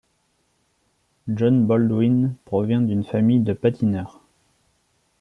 John Baldwin provient d'une famille de patineurs.